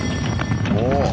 おお！